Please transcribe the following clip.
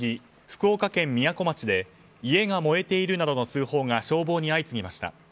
福岡県みやこ町で家が燃えているなどの通報が消防に相次ぎました。